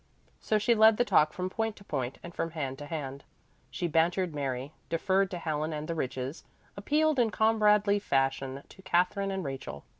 So she led the talk from point to point and from hand to hand. She bantered Mary, deferred to Helen and the Riches, appealed in comradely fashion to Katherine and Rachel.